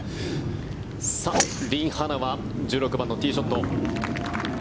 リ・ハナは１６番のティーショット。